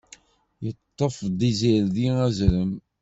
Yeṭṭef-d izirdi azrem.